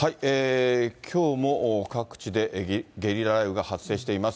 きょうも各地でゲリラ雷雨が発生しています。